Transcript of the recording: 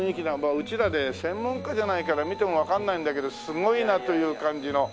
うちらで専門家じゃないから見てもわかんないんだけどすごいなという感じの。